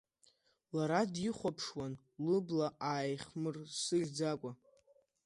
Лара дихәаԥшуан лыбла ааихмырсыӷьӡакәа.